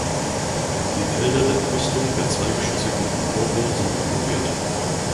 Die Felder der Brüstung der zweigeschossigen Empore sind marmoriert.